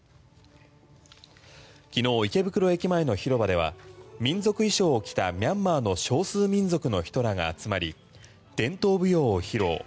昨日、池袋駅前の広場では民族衣装を着たミャンマーの少数民族の人らが集まり伝統舞踊を披露。